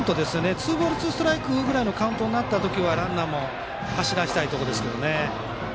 ツーボールツストライクぐらいのカウントになったときはランナーも走らせたいところですが。